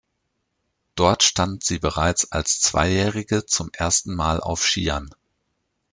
Dort stand sie bereits als Zweijährige zum ersten Mal auf Skiern.